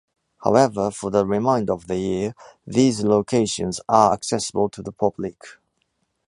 However, for the reminder of the year, these locations are accessible to the public.